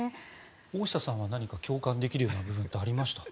大下さんは何か共感できるような部分ってありました？